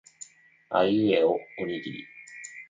あいうえおおにぎり